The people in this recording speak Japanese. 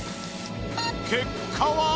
結果は？